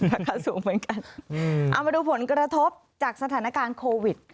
เอามาดูผลกระทบจากสถานการณ์โควิด